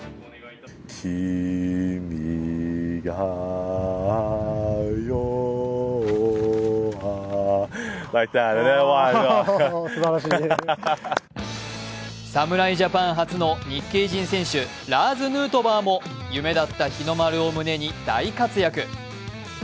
君が代は侍ジャパン初の日系人選手、ラーズ・ヌートバーも夢だった日の丸を胸に大活躍。